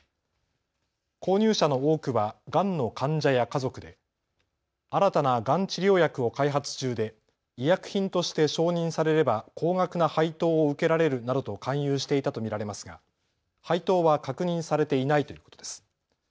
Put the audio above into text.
購入者の多くはがんの患者や家族で新たながん治療薬を開発中で医薬品として承認されれば高額な配当を受けられるなどと勧誘していたと見られますが配当は確認されていないということです。